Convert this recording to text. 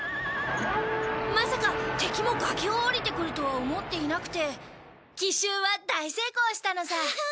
まさか敵も崖を下りてくるとは思っていなくて奇襲は大成功したのさ。